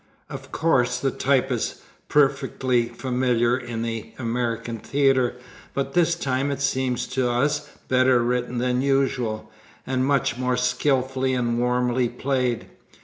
Of course the type is perfectly familiar in the American theater, but this time it seems to us better written than usual, and much more skillfully and warmly played.